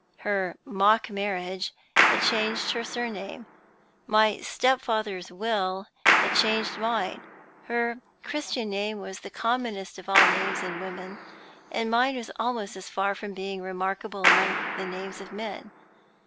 Her mock marriage had changed her surname. My step father's will had changed mine. Her Christian name was the commonest of all names of women; and mine was almost as far from being remarkable among the names of men.